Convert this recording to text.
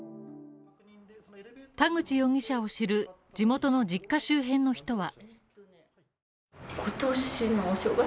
田口容疑者を知る地元の実家周辺の人は。